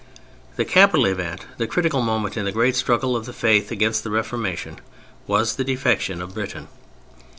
The capital event, the critical moment, in the great struggle of the Faith against the Reformation, was the defection of Britain.